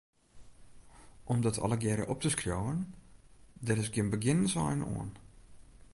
Om dat allegearre op te skriuwen, dêr is gjin begjinnensein oan.